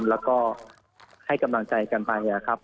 แล้วก็ให้กำลังใจกันไปครับ